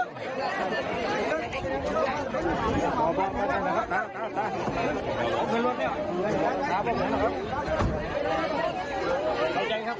ขอใจครับขอใจครับ